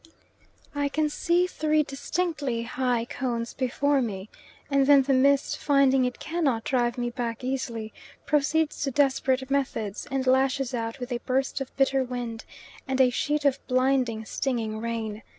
I can see three distinctly high cones before me, and then the mist, finding it cannot drive me back easily, proceeds to desperate methods, and lashes out with a burst of bitter wind, and a sheet of blinding, stinging rain.